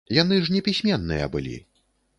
Яны ж непісьменныя былі!